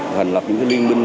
thành lập những liên minh